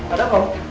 ada apa om